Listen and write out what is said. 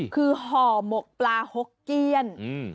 คือห่อหมกปลาหกเกี้ยน